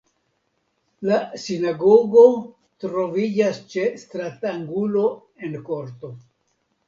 La sinagogo troviĝas ĉe stratangulo en korto.